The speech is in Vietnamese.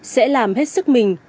sẽ làm hết sức mình